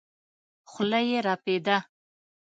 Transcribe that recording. خوله يې رپېده.